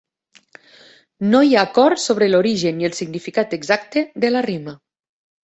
No hi ha acord sobre l'origen i el significat exacte de la rima.